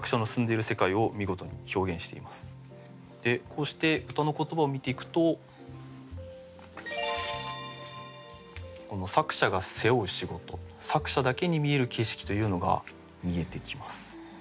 こうして歌の言葉を見ていくと作者が背負う仕事作者だけに見える景色というのが見えてきます。